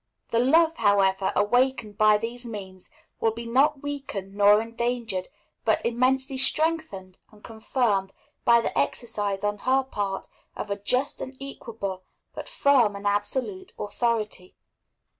The love, however, awakened by these means will be not weakened nor endangered, but immensely strengthened and confirmed, by the exercise on her part of a just and equable, but firm and absolute, authority.